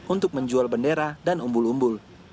untuk menjual bendera dan umbul umbul